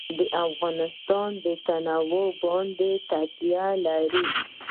افغانستان په تنوع باندې تکیه لري.